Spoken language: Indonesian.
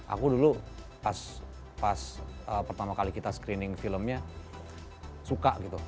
aku dulu pas pertama kali kita screening filmnya suka gitu